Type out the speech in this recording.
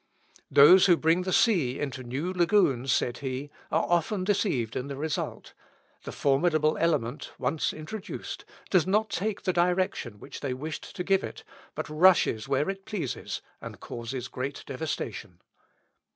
"Those who bring the sea into new lagoons," said he, "are often deceived in the result; the formidable element, once introduced, does not take the direction which they wished to give it, but rushes where it pleases, and causes great devastation.